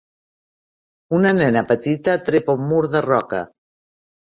Una nena petita trepa un mur de roca.